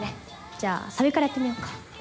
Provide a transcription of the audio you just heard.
じゃあサビからやってみようか。